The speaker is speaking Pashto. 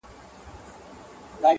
خو هغې دغه ډالۍ.